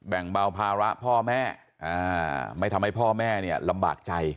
แบ่งเบาภาระพ่อแม่ไม่ทำให้พ่อแม่เนี่ยลำบากใจ